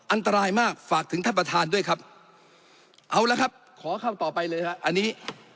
อันตรายมากฝากถึงท่านประธานด้วยครับเอาละครับขอคำต่อไปเลยฮะอันนี้